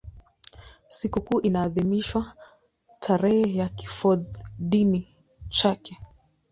Sikukuu inaadhimishwa tarehe ya kifodini chake.